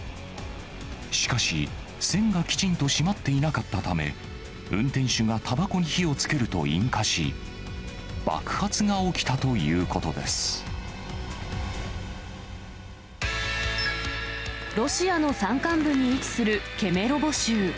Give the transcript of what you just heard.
しかし、栓がきちんとしまっていなかったため、運転手がたばこに火をつけると引火し、ロシアの山間部に位置するケメロボ州。